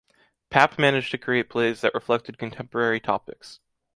Papp managed to create plays that reflected contemporary topics.